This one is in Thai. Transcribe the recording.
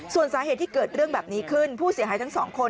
ส่วนสาเหตุที่เกิดเรื่องแบบนี้ขึ้นผู้เสียหายทั้งสองคน